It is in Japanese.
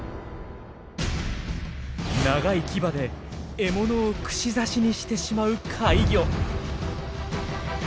長い牙で獲物を串刺しにしてしまう怪魚。